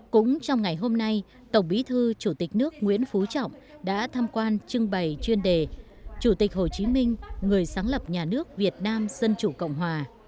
cũng trong ngày hôm nay tổng bí thư chủ tịch nước nguyễn phú trọng đã tham quan trưng bày chuyên đề chủ tịch hồ chí minh người sáng lập nhà nước việt nam dân chủ cộng hòa